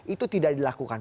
itu tidak dilakukan